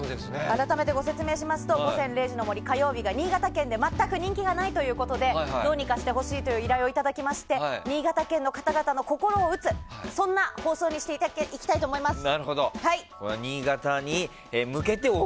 改めてご説明させていただくと「午前０時の森」は新潟県で全く人気がないということでどうにかしてほしいと依頼をいただきまして新潟県の方々の心を打つそんな放送にしていきたいと思います。